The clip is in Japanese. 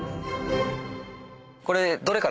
これ。